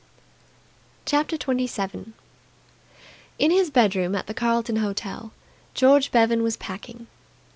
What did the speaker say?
CHAPTER 27. In his bedroom at the Carlton Hotel George Bevan was packing.